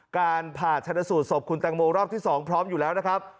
การผ่าชนสูตรศพคุณแตงโมรอบที่๒พร้อมอยู่แล้วนะครับ